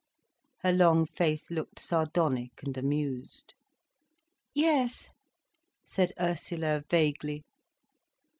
Her long face looked sardonic and amused. "Yes," said Ursula vaguely.